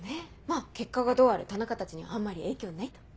まぁ結果がどうあれ田中たちにはあんまり影響ないと。